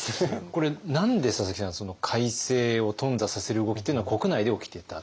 これ何で佐々木さん改正を頓挫させる動きっていうのは国内で起きてた？